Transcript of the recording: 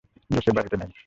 Joseph বাড়িতে নেই।